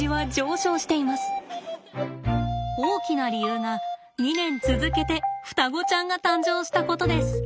大きな理由が２年続けて双子ちゃんが誕生したことです。